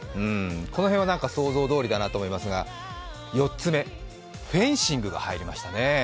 この辺は想像どおりだと思いますが４つ目、フェンシングが入りましたね。